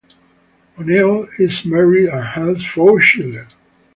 O'Neil is married and has four children.